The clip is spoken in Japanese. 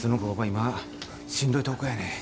今しんどいとこやねん。